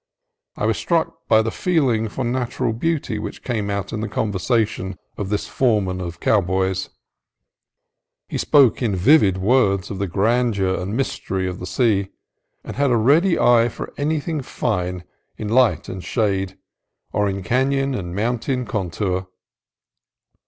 I was struck by the feeling for natural beauty which came out in the conversation of this foreman of cowboys. He spoke in vivid words of the grandeur and mystery of the sea, and had a ready eye for anything fine in light and shade, or in canon and mountain contour.